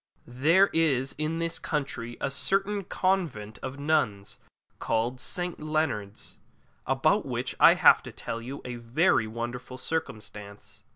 There is in this country a certain Convent of Nuns called St. Leonard's, about which I have to tell you a very wonderful circumstance.